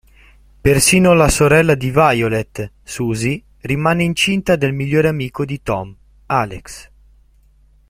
Persino la sorella di Violet, Suzie, rimane incinta del migliore amico di Tom, Alex.